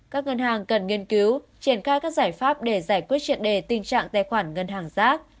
các ngân hàng cần nghiên cứu triển khai các giải pháp để giải quyết triệt đề tình trạng tài khoản ngân hàng rác